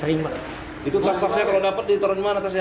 itu tas tasnya kalau dapat ditaruh di mana tasnya